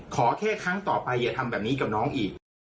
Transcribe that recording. ขอแค่ครั้งต่อไปอย่าทำแบบนี้กับน้องอีก